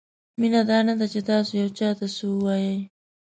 مینه دا نه ده چې تاسو یو چاته څه ووایئ.